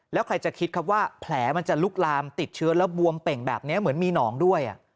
แล้วใครจะคิดครับว่าแผลมันจะลุกลามติดเชื้อแล้วบวมเป่งแบบนี้เหมือนมีหนองด้วย